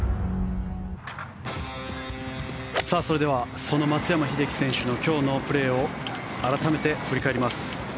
それではその松山英樹選手の今日のプレーを改めて振り返ります。